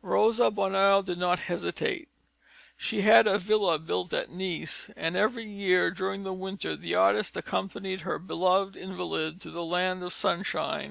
Rosa Bonheur did not hesitate; she had a villa built at Nice, and every year, during the winter, the artist accompanied her beloved invalid to the land of sunshine.